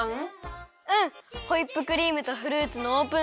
ホイップクリームとフルーツのオープンサンドだよ。